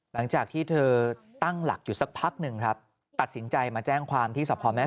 หลังจากที่เธอตั้งหลักอยู่สักพักหนึ่งครับตัดสินใจมาแจ้งความที่สพแม่